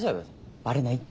バレないって絶対。